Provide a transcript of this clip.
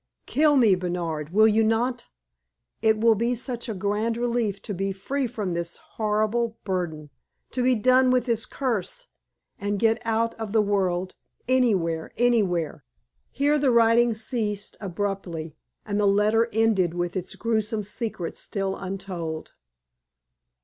Kill me, Bernard, will you not? It will be such a grand relief to be free from this horrible burden to be done with this curse, and get out of the world anywhere anywhere " Here the writing ceased abruptly, and the letter ended with its grewsome secret still untold.